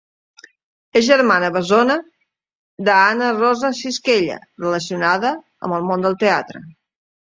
És germana bessona d'Anna Rosa Cisquella, relacionada amb el món del teatre.